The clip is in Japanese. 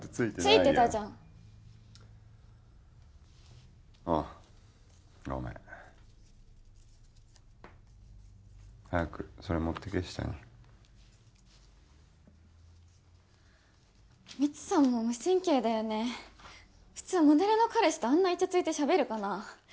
ついてたじゃんああごめん早くそれ持ってけ下にミツさんも無神経だよね普通モデルの彼氏とあんなイチャついてしゃべるかな？